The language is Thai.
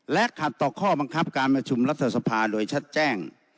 และขัดต่อข้อบังคับการประชุมรัฐสภาโดยชัดแจ้ง